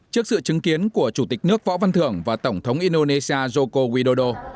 trước sự chứng kiến của chủ tịch nước võ văn thưởng và tổng thống indonesia joko widodo